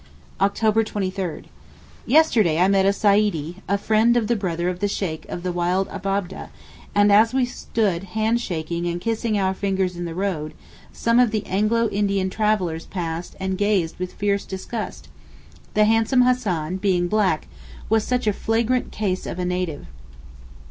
October 23.—Yesterday I met a Saedee—a friend of the brother of the Sheykh of the wild Abab'deh, and as we stood handshaking and kissing our fingers in the road, some of the Anglo Indian travellers passed and gazed with fierce disgust; the handsome Hassan, being black, was such a flagrant case of a 'native.